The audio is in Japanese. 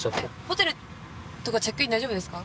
ホテルとかチェックイン大丈夫ですか？